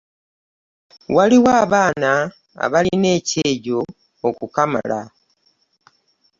Waliwo abaana abalina ekyejo okukamala.